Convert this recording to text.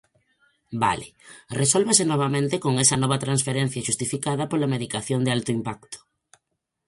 Vale, resólvase novamente con esa nova transferencia xustificada pola medicación de alto impacto.